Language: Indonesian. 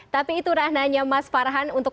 tapi itu rananya mas farhan untuk